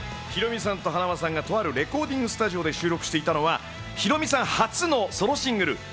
ヒロミさんとはなわさんがとあるレコーディングスタジオで収録していたのはヒロミさん初のソロシングル